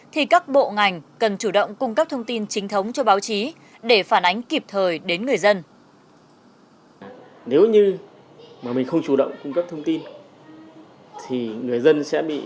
thì các bộ ngành cần chủ động cung cấp thông tin chính thống cho báo chí để phản ánh kịp thời đến người dân